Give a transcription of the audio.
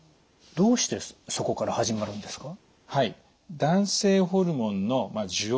どうしてそこから始まるんですか？